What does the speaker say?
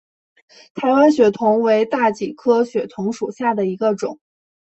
台湾血桐为大戟科血桐属下的一个种。